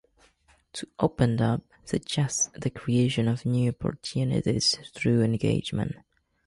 "To open up" suggests the creation of new opportunities through engagement.